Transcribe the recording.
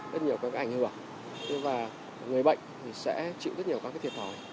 rất nhiều các cái ảnh hưởng và người bệnh thì sẽ chịu rất nhiều các cái thiệt thòi